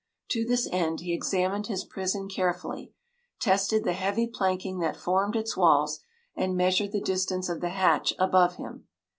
To this end he examined his prison carefully, tested the heavy planking that formed its walls, and measured the distance of the hatch above him.